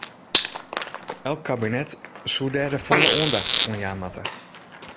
Elk kabinet soe dêr de folle oandacht oan jaan moatte.